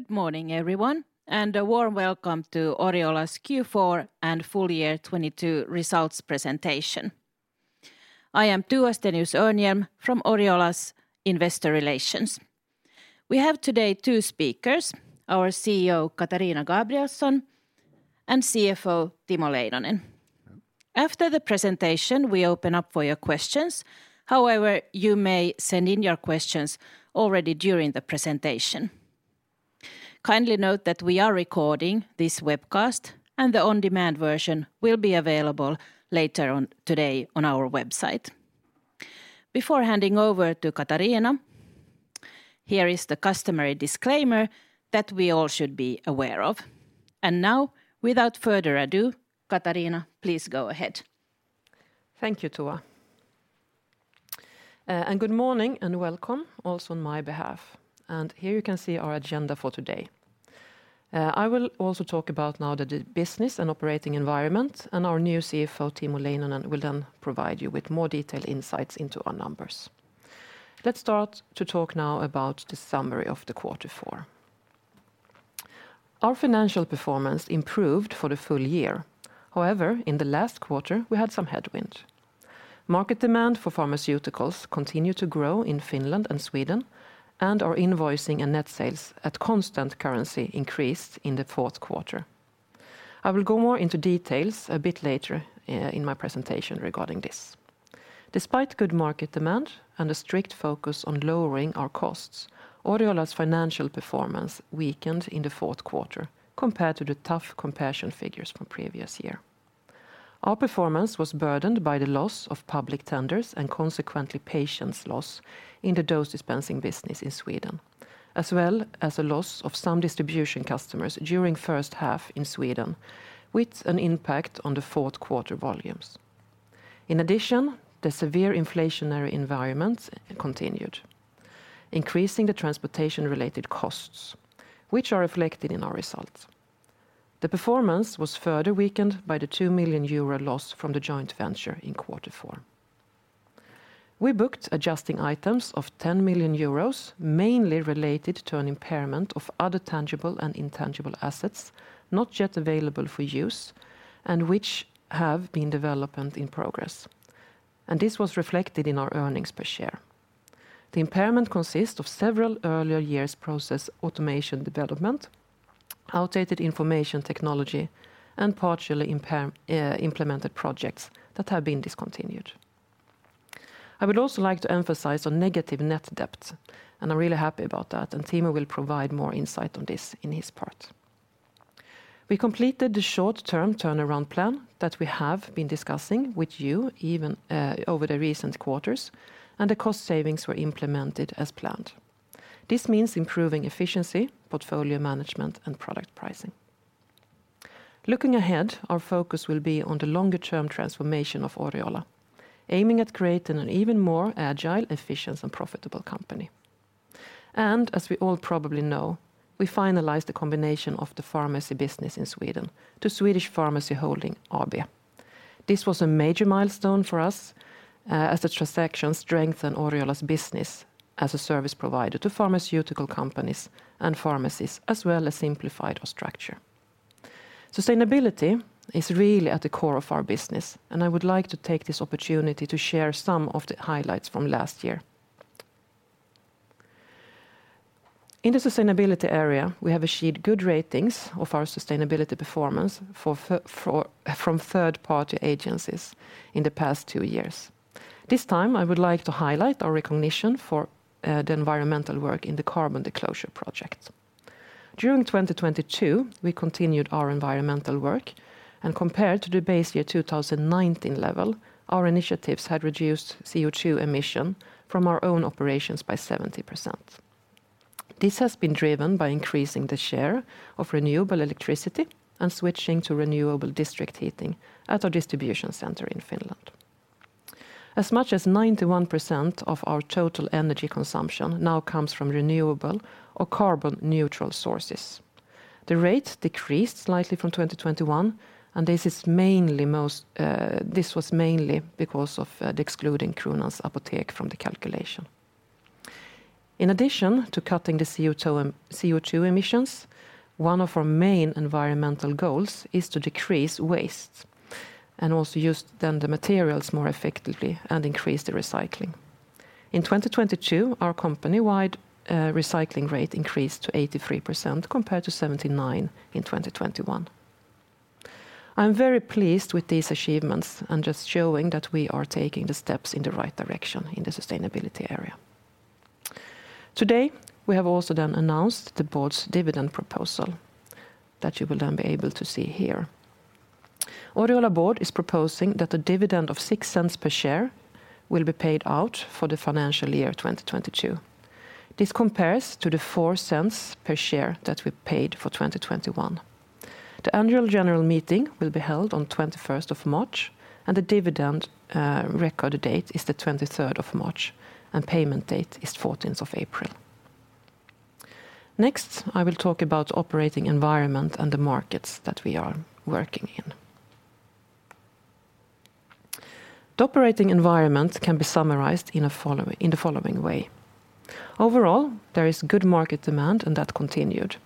Good morning, everyone, and a warm welcome to Oriola's Q4 and full year 2022 results presentation. I am Tua Stenius-Örnhjelm from Oriola's Investor Relations. We have today two speakers, our CEO, Katarina Gabrielson, and CFO, Timo Leinonen. After the presentation, we open up for your questions. However, you may send in your questions already during the presentation. Kindly note that we are recording this webcast, and the on-demand version will be available later on today on our website. Before handing over to Katarina, here is the customary disclaimer that we all should be aware of. Now, without further ado, Katarina, please go ahead. Thank you, Tua. Good morning, and welcome also on my behalf. Here you can see our agenda for today. I will also talk about now the business and operating environment, and our new CFO, Timo Leinonen, will then provide you with more detailed insights into our numbers. Let's start to talk now about the summary of the quarter four. Our financial performance improved for the full year. However, in the last quarter, we had some headwind. Market demand for pharmaceuticals continued to grow in Finland and Sweden, and our invoicing and net sales at constant currency increased in the fourth quarter. I will go more into details a bit later in my presentation regarding this. Despite good market demand and a strict focus on lowering our costs, Oriola's financial performance weakened in the fourth quarter compared to the tough comparison figures from previous year. Our performance was burdened by the loss of public tenders and consequently patients loss in the dose dispensing business in Sweden, as well as a loss of some distribution customers during first half in Sweden, with an impact on the fourth quarter volumes. The severe inflationary environment continued, increasing the transportation related costs, which are reflected in our results. The performance was further weakened by the 2 million euro loss from the joint venture in quarter four. We booked adjusting items of 10 million euros, mainly related to an impairment of other tangible and intangible assets not yet available for use and which have been development in progress, and this was reflected in our earnings per share. The impairment consists of several earlier years process automation development, outdated information technology, and partially implemented projects that have been discontinued. I would also like to emphasize on negative net debt, and I'm really happy about that, and Timo will provide more insight on this in his part. We completed the short-term turnaround plan that we have been discussing with you even over the recent quarters, and the cost savings were implemented as planned. This means improving efficiency, portfolio management, and product pricing. Looking ahead, our focus will be on the longer-term transformation of Oriola, aiming at creating an even more agile, efficient, and profitable company. As we all probably know, we finalized the combination of the pharmacy business in Sweden to Swedish Pharmacy Holding AB. This was a major milestone for us, as the transaction strengthened Oriola's business as a service provider to pharmaceutical companies and pharmacies, as well as simplified our structure. Sustainability is really at the core of our business, and I would like to take this opportunity to share some of the highlights from last year. In the sustainability area, we have achieved good ratings of our sustainability performance from third-party agencies in the past two years. This time, I would like to highlight our recognition for the environmental work in the Carbon Disclosure Project. During 2022, we continued our environmental work, and compared to the base year 2019 level, our initiatives had reduced CO2 emission from our own operations by 70%. This has been driven by increasing the share of renewable electricity and switching to renewable district heating at our distribution center in Finland. As much as 91% of our total energy consumption now comes from renewable or carbon neutral sources. The rate decreased slightly from 2021. This was mainly because of the excluding Kronans Apotek from the calculation. In addition to cutting the CO2 emissions, one of our main environmental goals is to decrease waste and also use then the materials more effectively and increase the recycling. In 2022, our company-wide recycling rate increased to 83% compared to 79 in 2021. I'm very pleased with these achievements and just showing that we are taking the steps in the right direction in the sustainability area. Today, we have also then announced the board's dividend proposal that you will then be able to see here. Oriola board is proposing that a dividend of 0.06 per share will be paid out for the financial year 2022. This compares to the 0.04 per share that we paid for 2021. The annual general meeting will be held on 21st of March, and the dividend record date is the 23rd of March, and payment date is 14th of April. Next, I will talk about operating environment and the markets that we are working in. The operating environment can be summarized in the following way. Overall, there is good market demand, and that continued.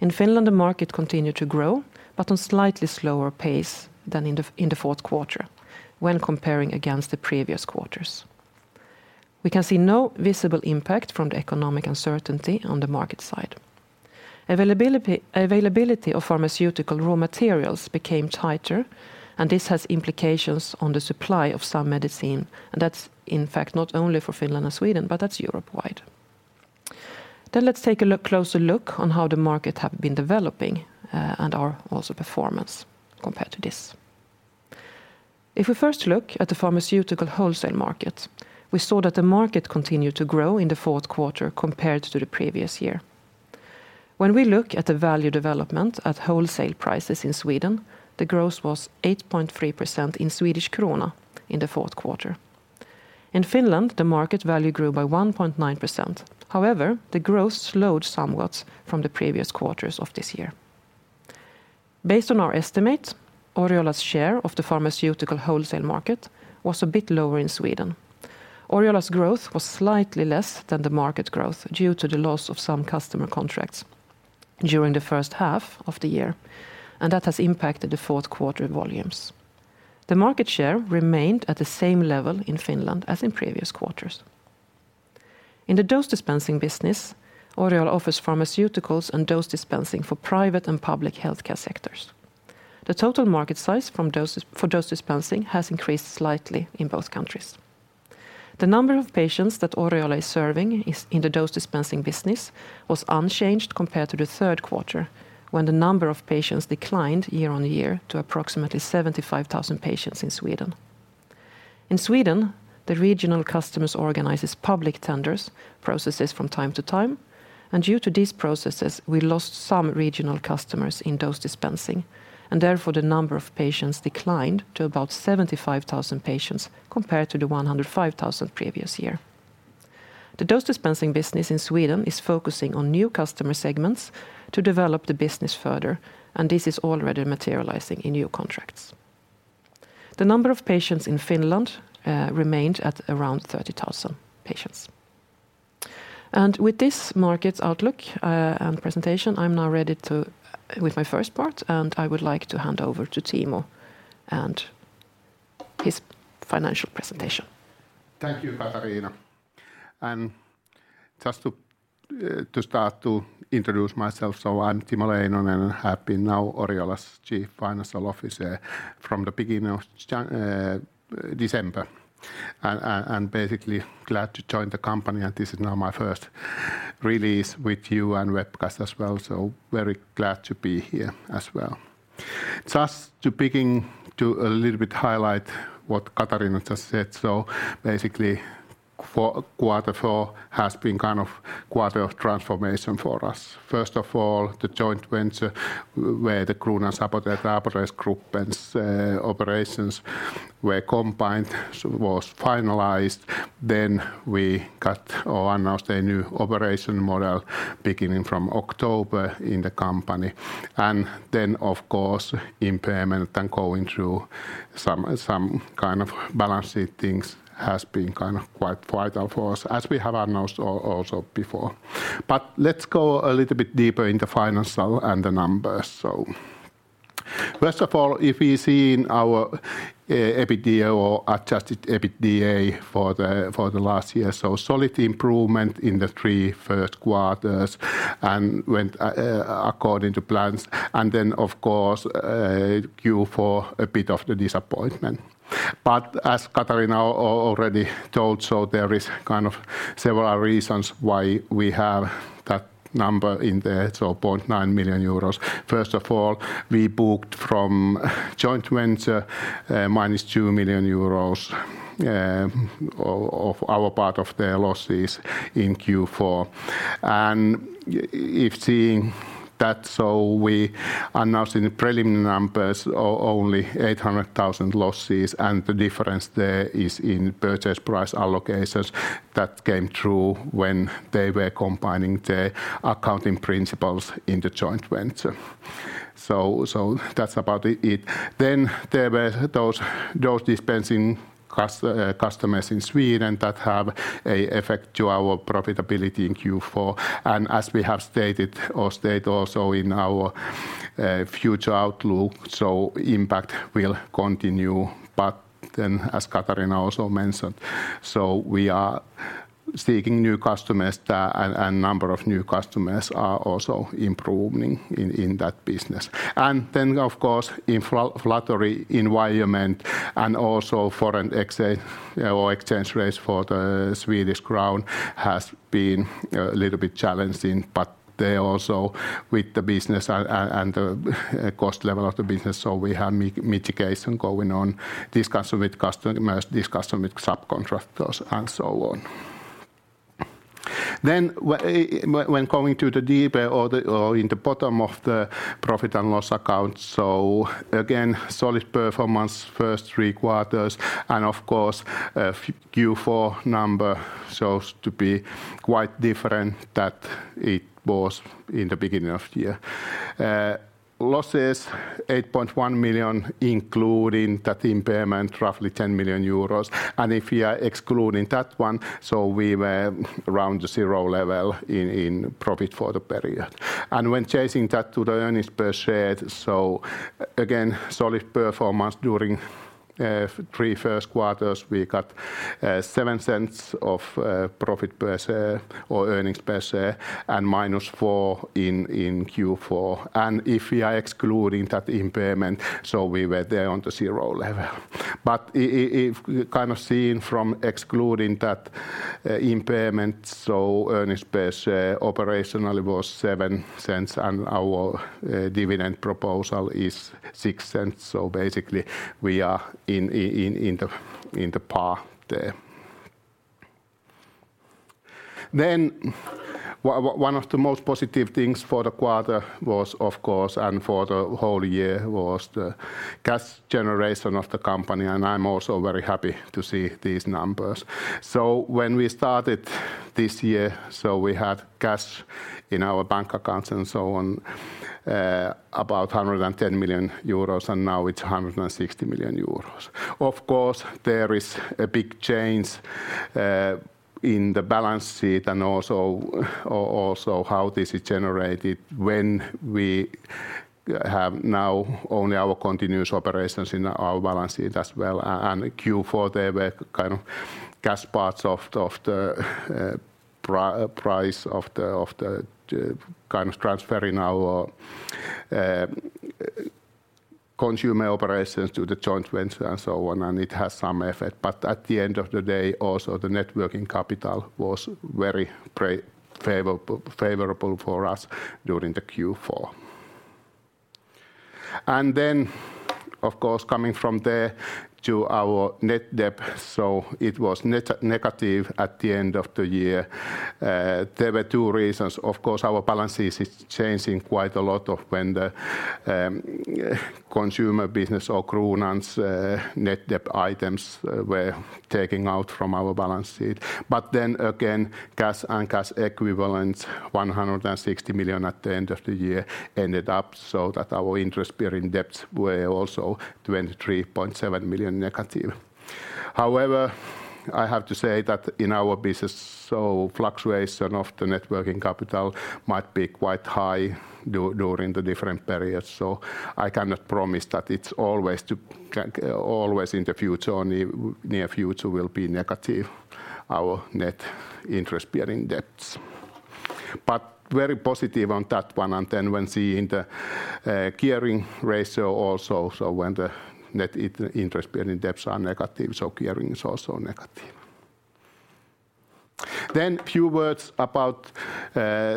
In Finland, the market continued to grow, but on slightly slower pace than in the fourth quarter when comparing against the previous quarters. We can see no visible impact from the economic uncertainty on the market side. Availability of pharmaceutical raw materials became tighter. This has implications on the supply of some medicine. That's in fact not only for Finland and Sweden, but that's Europe-wide. Let's take a closer look on how the market have been developing, and our also performance compared to this. If we first look at the pharmaceutical wholesale market, we saw that the market continued to grow in the fourth quarter compared to the previous year. We look at the value development at wholesale prices in Sweden, the growth was 8.3% in Swedish krona in the fourth quarter. In Finland, the market value grew by 1.9%. The growth slowed somewhat from the previous quarters of this year. Based on our estimate, Oriola's share of the pharmaceutical wholesale market was a bit lower in Sweden. Oriola's growth was slightly less than the market growth due to the loss of some customer contracts during the first half of the year. That has impacted the fourth quarter volumes. The market share remained at the same level in Finland as in previous quarters. In the dose dispensing business, Oriola offers pharmaceuticals and dose dispensing for private and public healthcare sectors. The total market size for dose dispensing has increased slightly in both countries. The number of patients that Oriola is serving in the dose dispensing business was unchanged compared to the third quarter, when the number of patients declined year-on-year to approximately 75,000 patients in Sweden. In Sweden, the regional customers organizes public tenders processes from time to time. Due to these processes, we lost some regional customers in dose dispensing, and therefore, the number of patients declined to about 75,000 patients compared to the 105,000 previous year. The dose dispensing business in Sweden is focusing on new customer segments to develop the business further. This is already materializing in new contracts. The number of patients in Finland remained at around 30,000 patients. With this market outlook and presentation, I'm now ready with my first part. I would like to hand over to Timo and his financial presentation. Thank you, Katarina. Just to start to introduce myself, so I'm Timo Leinonen and have been now Oriola's Chief Financial Officer from the beginning of December. Basically glad to join the company, and this is now my first release with you and webcast as well, so very glad to be here as well. Just to begin to a little bit highlight what Katarina just said, so basically for quarter four has been kind of quarter of transformation for us. First of all, the joint venture where the Kronans Apotek and Apoteksgruppen's operations were combined was finalized. We got or announced a new operation model beginning from October in the company. Of course, impairment and going through some kind of balancing things has been kind of quite vital for us, as we have announced also before. Let's go a little bit deeper in the financial and the numbers. First of all, if we see in our EBITDA or adjusted EBITDA for the last year, solid improvement in the 3 first quarters and went according to plans. Of course, Q4, a bit of the disappointment. As Katarina Gabrielson already told, there is kind of several reasons why we have that number in there, 0.9 million euros. First of all, we booked from joint venture, minus 2 million euros of our part of their losses in Q4. If seeing that, we announced in the preliminary numbers only 800,000 losses, and the difference there is in purchase price allocations that came through when they were combining the accounting principles in the joint venture. That's about it. There were those dose dispensing customers in Sweden that have a effect to our profitability in Q4. As we have stated or state also in our future outlook, impact will continue. As Katarina also mentioned, we are seeking new customers there and number of new customers are also improving in that business. Of course, inflationary environment and also foreign exchange rates for the Swedish krona has been a little bit challenging. They also with the business and the cost level of the business, we have mitigation going on, discuss with customers, discuss with subcontractors and so on. When going to the deeper or on the zero level. Kind of seeing from excluding that impairment, so earnings per share operationally was EUR 0.07, and our dividend proposal is EUR 0.06, so basically we are in the par there. One of the most positive things for the quarter was of course, and for the whole year, was the cash generation of the company, and I'm also very happy to see these numbers. When we started this year, so we had cash in our bank accounts and so on, about 110 million euros, and now it's 160 million euros. Of course, there is a big change in the balance sheet and also how this is generated when we have now only our continuous operations in our balance sheet as well. Q4, they were kind of cash parts of the price of the kind of transfer in our consumer operations to the joint venture and so on, and it has some effect. At the end of the day also, the net working capital was very favorable for us during the Q4. Of course, coming from there to our net debt. It was negative at the end of the year. There were two reasons. Of course, our balance sheet is changing quite a lot when the consumer business or Kronans net debt items were taking out from our balance sheet. Cash and cash equivalents, 160 million at the end of the year ended up so that our interest bearing debts were also 23.7 million negative. I have to say that in our business, so fluctuation of the net working capital might be quite high during the different periods. I cannot promise that it's always in the future or near future will be negative, our net interest bearing debts. Very positive on that one. When seeing the gearing ratio also, so when the net interest bearing debts are negative, so gearing is also negative. Few words about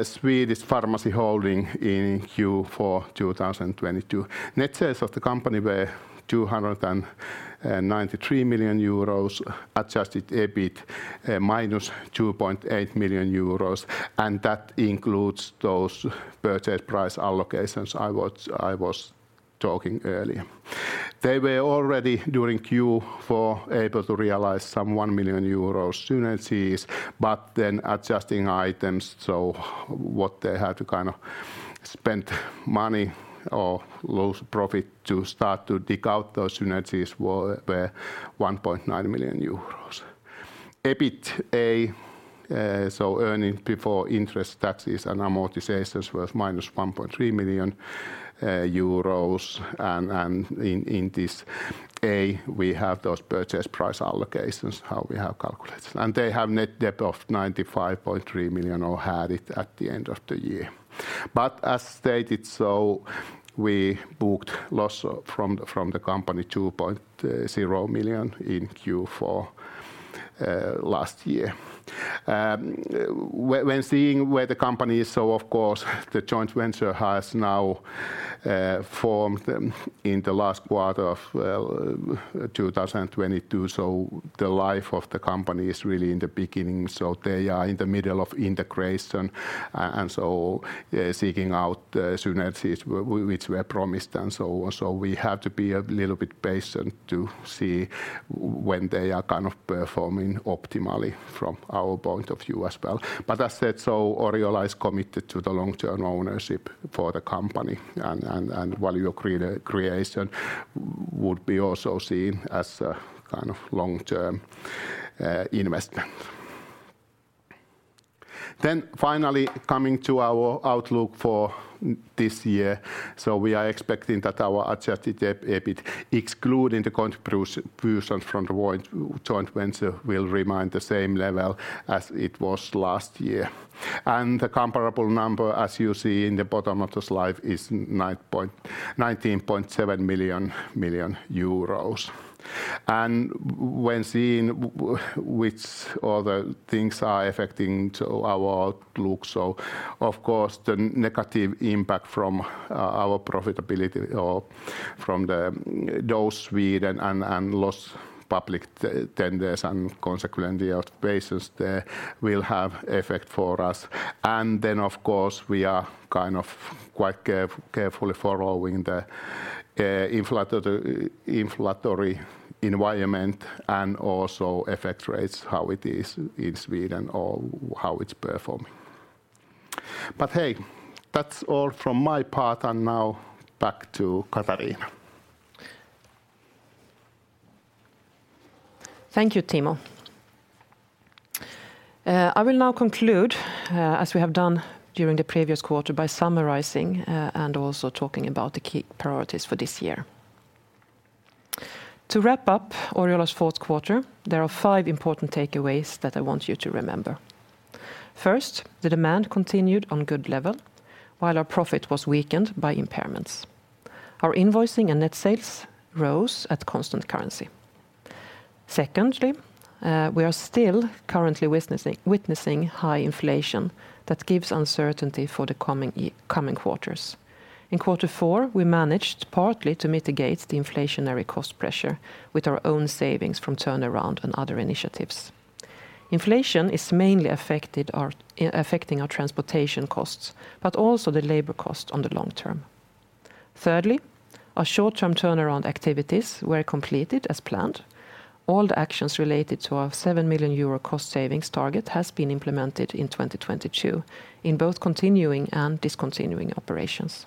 Swedish Pharmacy Holding in Q4 2022. Net sales of the company were 293 million euros, adjusted EBIT minus 2.8 million euros, and that includes those purchase price allocations I was talking earlier. They were already during Q4 able to realize some 1 million euros synergies, adjusting items, so what they had to kind of spend money or lose profit to start to dig out those synergies were 1.9 million euros. EBITA, so earnings before interest, taxes, and amortizations was minus 1.3 million euros. In this A, we have those purchase price allocations, how we have calculated. They have net debt of 95.3 million or had it at the end of the year. As stated, we booked loss from the company 2.0 million in Q4 last year. When seeing where the company is, of course, the joint venture has now formed in the last quarter of 2022, the life of the company is really in the beginning. They are in the middle of integration, seeking out synergies which were promised and so on. We have to be a little bit patient to see when they are kind of performing optimally from our point of view as well. As said, Oriola is committed to the long-term ownership for the company and value creation would be also seen as a kind of long-term investment. Finally, coming to our outlook for this year. We are expecting that our adjusted EBIT, excluding the contribution from the joint venture, will remain the same level as it was last year. The comparable number, as you see in the bottom of the slide, is 19.7 million EUR. When seeing which other things are affecting to our outlook, of course, the negative impact from our profitability or from the dose dispensing and lost public tenders and consequently our patients there will have effect for us. Of course, we are kind of quite carefully following the inflationary environment and also FX rates, how it is in Sweden or how it's performing. Hey, that's all from my part, and now back to Katarina. Thank you, Timo. I will now conclude, as we have done during the previous quarter, by summarizing, and also talking about the key priorities for this year. To wrap up Oriola's fourth quarter, there are 5 important takeaways that I want you to remember. First, the demand continued on good level, while our profit was weakened by impairments. Our invoicing and net sales rose at constant currency. Secondly, we are still currently witnessing high inflation that gives uncertainty for the coming quarters. In quarter four, we managed partly to mitigate the inflationary cost pressure with our own savings from turnaround and other initiatives. Inflation is mainly affecting our transportation costs, but also the labor cost on the long term. Thirdly, our short-term turnaround activities were completed as planned.. All the actions related to our 7 million euro cost savings target has been implemented in 2022 in both continuing and discontinuing operations.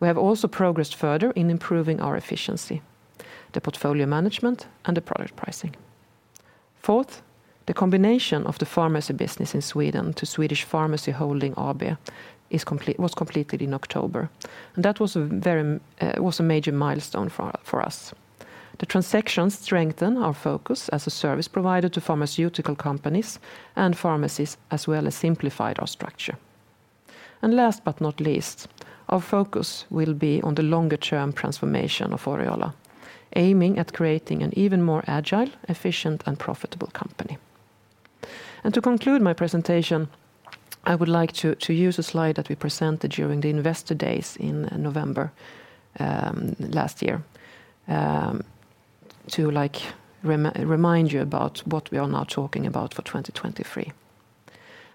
We have also progressed further in improving our efficiency, the portfolio management, and the product pricing. Fourth, the combination of the pharmacy business in Sweden to Swedish Pharmacy Holding AB was completed in October, and that was a very, was a major milestone for us. The transactions strengthen our focus as a service provider to pharmaceutical companies and pharmacies, as well as simplified our structure. Last but not least, our focus will be on the longer-term transformation of Oriola, aiming at creating an even more agile, efficient, and profitable company. To conclude my presentation, I would like to use a slide that we presented during the investor days in November last year, to like, remind you about what we are now talking about for 2023.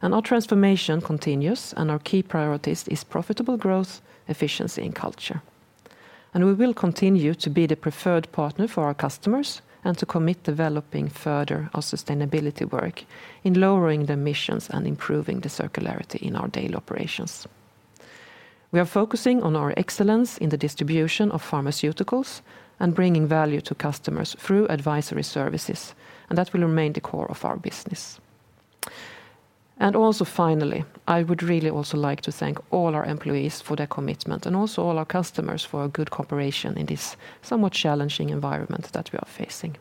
Our transformation continues, and our key priorities is profitable growth, efficiency, and culture. We will continue to be the preferred partner for our customers and to commit developing further our sustainability work in lowering the emissions and improving the circularity in our daily operations. We are focusing on our excellence in the distribution of pharmaceuticals and bringing value to customers through advisory services, and that will remain the core of our business. Also finally, I would really also like to thank all our employees for their commitment, and also all our customers for a good cooperation in this somewhat challenging environment that we are facing.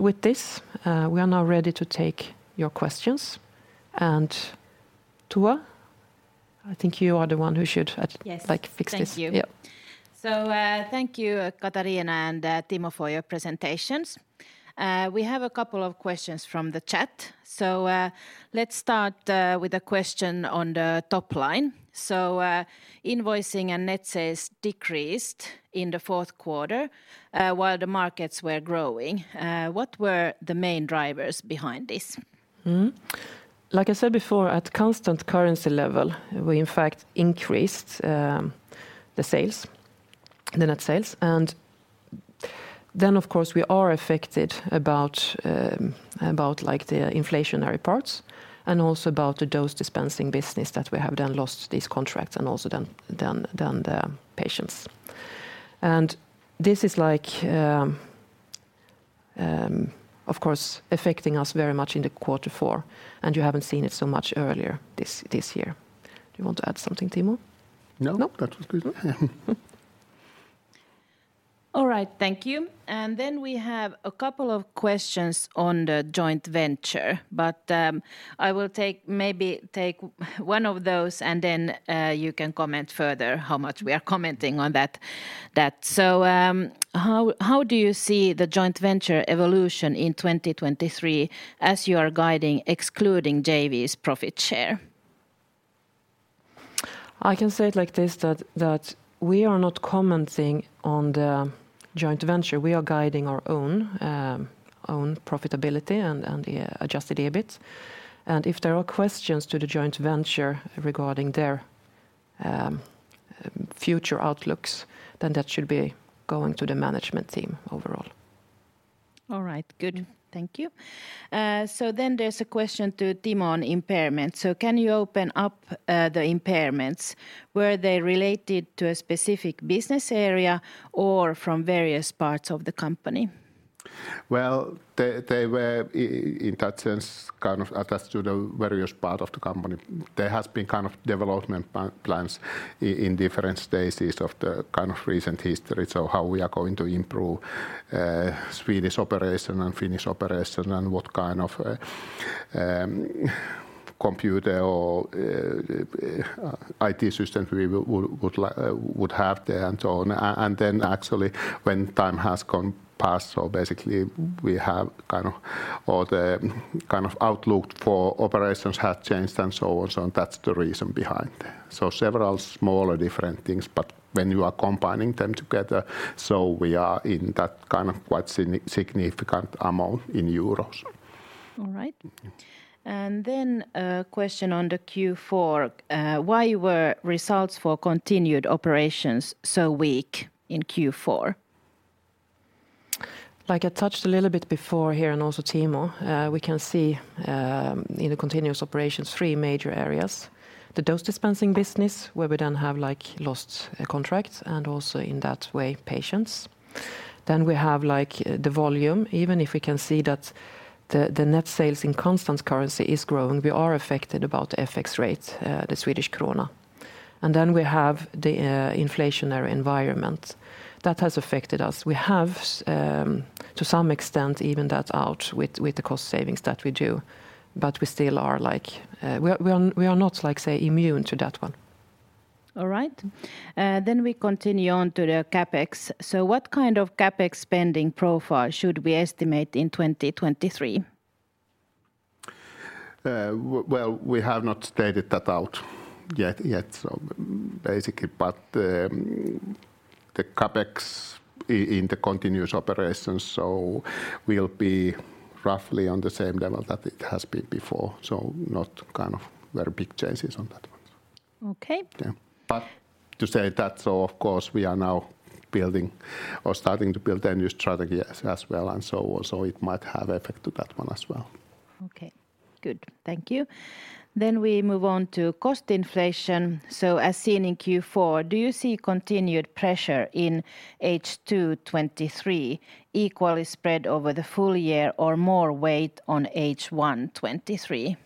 With this, we are now ready to take your questions. Tua, I think you are the one who should- Yes... like, fix this. Thank you. Yeah. Thank you, Katarina and Timo, for your presentations. We have a couple of questions from the chat. Let's start with a question on the top line. Invoicing and net sales decreased in the fourth quarter while the markets were growing. What were the main drivers behind this? Like I said before, at constant currency level, we in fact increased, the sales, the net sales. Then of course we are affected about like the inflationary parts and also about the dose dispensing business that we have then lost these contracts and also then the patients. This is like, of course affecting us very much in the quarter four, and you haven't seen it so much earlier this year. Do you want to add something, Timo? No. No? That was good. All right. Thank you. Then we have a couple of questions on the joint venture, but I will take, maybe take one of those, and then you can comment further how much we are commenting on that. How do you see the joint venture evolution in 2023 as you are guiding excluding JV's profit share? I can say it like this, that we are not commenting on the joint venture. We are guiding our own profitability and the adjusted EBIT. If there are questions to the joint venture regarding their future outlooks, then that should be going to the management team overall. All right. Good. Thank you. There's a question to Timo on impairment. Can you open up the impairments? Were they related to a specific business area or from various parts of the company? They were in that sense, kind of attached to the various part of the company. There has been kind of development plans in different stages of the kind of recent history, so how we are going to improve Swedish operation and Finnish operation and what kind of computer or IT systems we would have there and so on. Actually, when time has gone past, basically we have kind of, or the kind of outlook for operations had changed and so on. That's the reason behind that. Several smaller different things, but when you are combining them together, we are in that kind of quite significant amount in euros. All right. A question on the Q4. Why were results for continued operations so weak in Q4? Like I touched a little bit before here, and also Timo, we can see in the continuous operations three major areas: the dose dispensing business, where we then have, like lost contracts and also in that way patients. We have, like, the volume. Even if we can see that the net sales in constant currency is growing, we are affected about FX rate, the Swedish krona. We have the inflationary environment. That has affected us. We have to some extent evened that out with the cost savings that we do, but we still are, like... We are not, like, say, immune to that one. All right. We continue on to the CapEx. What kind of CapEx spending profile should we estimate in 2023? Well, we have not stated that out yet, so basically. The CapEx in the continuous operations, so will be roughly on the same level that it has before. Not kind of very big changes on that one. Okay. Yeah. To say that, so of course we are now building or starting to build a new strategy as well and so on, so it might have effect to that one as well. Okay. Good. Thank you. We move on to cost inflation. As seen in Q4, do you see continued pressure in H2 2023 equally spread over the full year or more weight on H1 2023?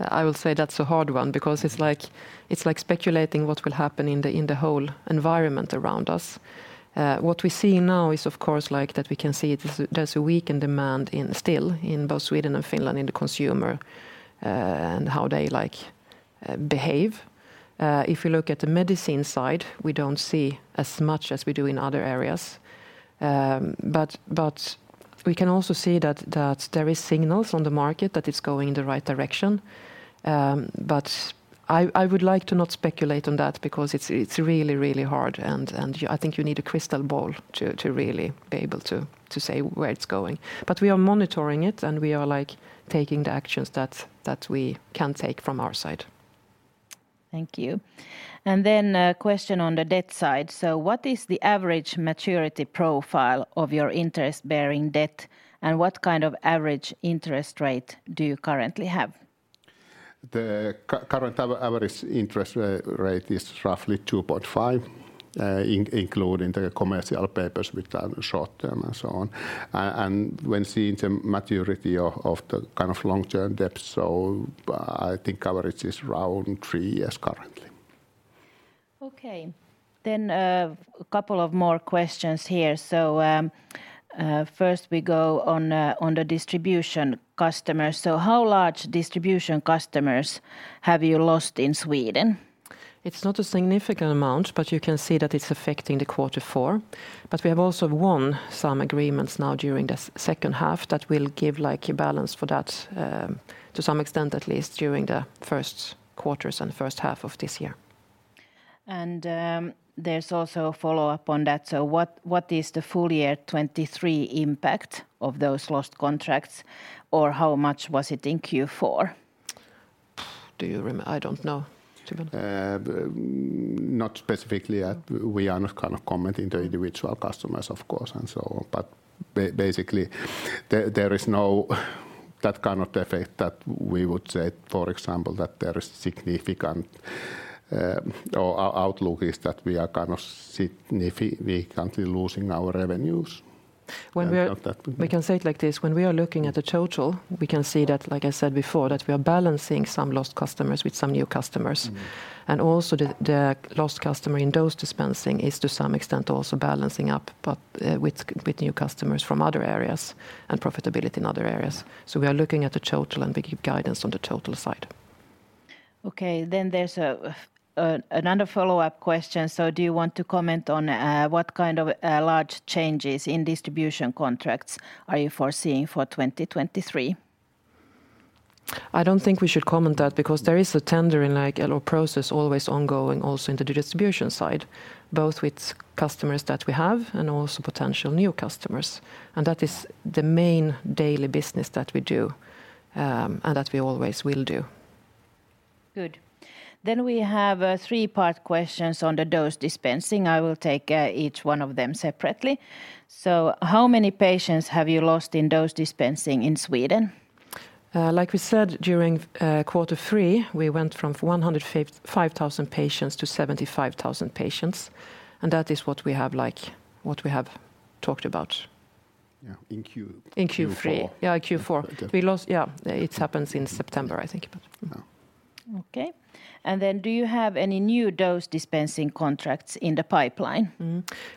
I will say that's a hard one because it's like speculating what will happen in the whole environment around us. What we see now is of course, like, that we can see there's a weakened demand in still in both Sweden and Finland in the consumer, and how they, like, behave. If you look at the medicine side, we don't see as much as we do in other areas. But we can also see that there is signals on the market that it's going in the right direction. But I would like to not speculate on that because it's really, really hard and I think you need a crystal ball to really be able to say where it's going. We are monitoring it and we are, like, taking the actions that we can take from our side. Thank you. A question on the debt side. What is the average maturity profile of your interest bearing debt, and what kind of average interest rate do you currently have? The current average interest rate is roughly 2.5%, including the commercial papers with short-term and so on. When seeing the maturity of the kind of long-term debt, so I think average is around 3% as currently. Okay. A couple of more questions here. First we go on the distribution customers. How large distribution customers have you lost in Sweden? It's not a significant amount. You can see that it's affecting the quarter four. We have also won some agreements now during the second half that will give, like, a balance for that, to some extent at least during the first quarters and first half of this year. There's also a follow-up on that. What is the full year 2023 impact of those lost contracts, or how much was it in Q4? I don't know, Timo. Not specifically. We are not gonna comment on the individual customers of course and so on. Basically, there is no that kind of effect that we would say, for example, that there is significant, or outlook is that we are kind of significantly losing our revenues. When we are- Not that we know. We can say it like this: when we are looking at the total, we can see that, like I said before, that we are balancing some lost customers with some new customers. Mm. Also the lost customer in dose dispensing is to some extent also balancing up, but with new customers from other areas and profitability in other areas. We are looking at the total, and we give guidance on the total side. There's another follow-up question. Do you want to comment on what kind of large changes in distribution contracts are you foreseeing for 2023? I don't think we should comment that because there is a tendering, like, or process always ongoing also in the distribution side, both with customers that we have and also potential new customers. That is the main daily business that we do, and that we always will do. Good. We have a three-part questions on the dose dispensing. I will take each one of them separately. How many patients have you lost in dose dispensing in Sweden? Like we said, during quarter three, we went from 155,000 patients to 75,000 patients. That is what we have, like, what we talked about. Yeah. In Q- In Q3... Q4. Yeah, Q4. Q4. Yeah. It happens in September, I think. Yeah. Okay. Then do you have any new dose dispensing contracts in the pipeline?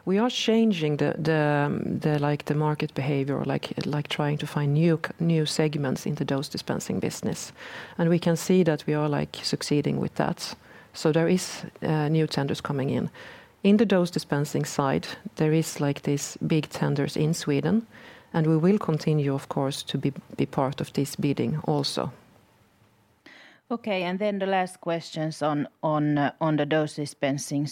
We are changing the, like, the market behavior, like, trying to find new segments in the dose dispensing business, and we can see that we are, like, succeeding with that. There is new tenders coming in. In the dose dispensing side, there is, like, these big tenders in Sweden, and we will continue of course to be part of this bidding also.. Okay. Then the last questions on the dose dispensing.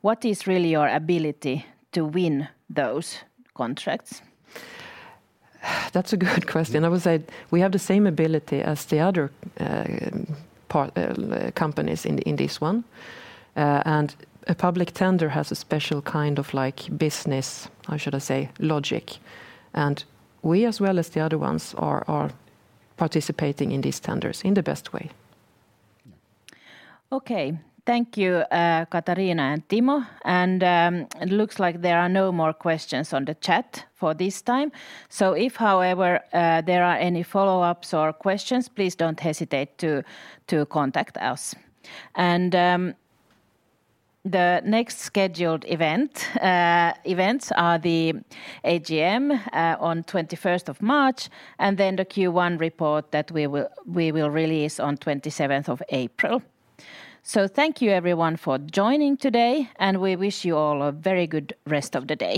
What is really your ability to win those contracts? That's a good question. I would say we have the same ability as the other part companies in this one. A public tender has a special kind of, like, business, how should I say, logic. We as well as the other ones are participating in these tenders in the best way. Okay. Thank you, Katarina and Timo. It looks like there are no more questions on the chat for this time. If, however, there are any follow-ups or questions, please don't hesitate to contact us. The next scheduled events are the AGM on 21st of March, the Q1 report that we will release on 27th of April. Thank you everyone for joining today, and we wish you all a very good rest of the day.